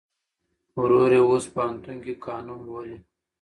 ورور یې اوس پوهنتون کې قانون لولي.